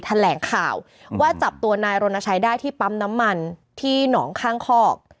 แถลงข่าวว่าจับตัวนายรณชัยได้ที่ปั๊มน้ำมันที่หนองข้างคอก